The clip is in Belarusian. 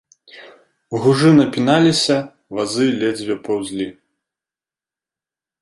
Гужы напіналіся, вазы ледзьве паўзлі.